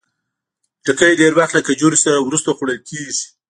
خټکی ډېر وخت له کجورو وروسته خوړل کېږي.